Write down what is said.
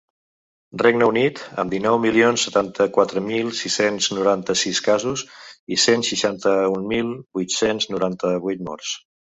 Regne Unit, amb dinou milions setanta-quatre mil sis-cents noranta-sis casos i cent seixanta-un mil vuit-cents noranta-vuit morts.